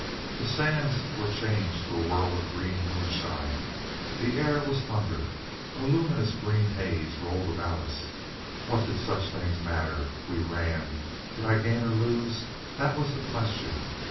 The sands were changed to a whirl of green moonshine, the air was thunder. A luminous green haze rolled about us. What did such things matter? We ran. Did I gain or lose? that was the question.